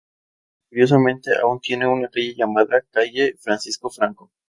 Curiosamente, aún tiene una calle llamada calle Francisco Franco.